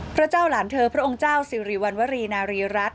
พระเจ้าหลานเธอพระองค์เจ้าสิริวัณวรีนารีรัฐ